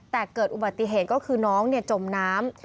แต่เกิดอุบัติเหตุก็คือน้องจมน้ำ